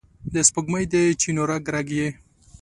د سپوږمۍ د چېنو رګ، رګ یې،